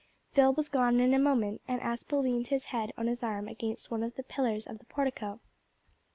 Phil was gone in a moment, and Aspel leaned his head on his arm against one of the pillars of the portico.